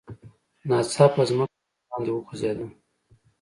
ناڅاپه ځمکه زموږ لاندې وخوزیده.